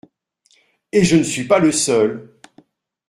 Et je ne suis pas le seul.